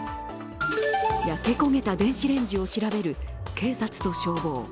焼け焦げた電子レンジを調べる警察と消防。